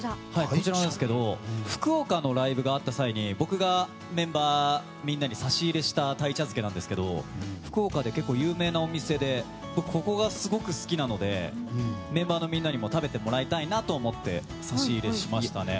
こちらなんですけど福岡のライブがあった際に僕がメンバーみんなに差し入れした鯛茶漬けなんですけど福岡で結構有名なお店で僕、ここがすごく好きなのでメンバーのみんなにも食べてもらいたいなと思って差し入れしましたね。